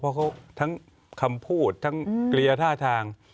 เพราะเขาทั้งคำพูดทั้งเกลียร์ท่าทาง